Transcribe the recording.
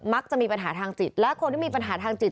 จะมีปัญหาทางจิตและคนที่มีปัญหาทางจิต